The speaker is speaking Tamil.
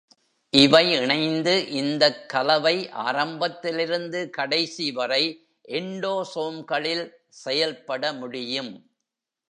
இவை இணைந்து, இந்தக் கலவை, ஆரம்பத்திலிருந்து கடைசி வரை எண்டோசோம்களில் செயல்பட முடியும்.